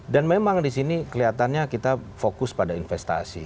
dan memang di sini kelihatannya kita fokus pada investasi